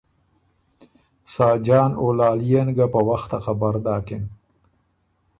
ساجان او لالئے ن ګه په وخته خبر داکِن